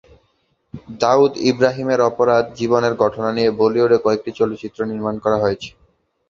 দাউদ ইব্রাহিমের অপরাধ জীবনের ঘটনা নিয়ে বলিউডে কয়েকটি চলচ্চিত্রও নির্মাণ করা হয়েছে।